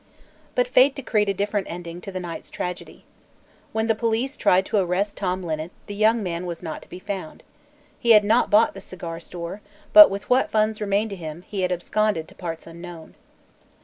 But fate decreed a different ending to the night's tragedy. When the police tried to arrest Tom Linnet the young man was not to be found. He had not bought the cigar store, but with what funds remained to him, he had absconded to parts unknown.